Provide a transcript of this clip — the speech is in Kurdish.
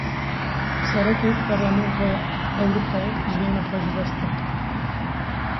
Serokê Parlamentoya Ewropayê jiyana xwe ji dest da.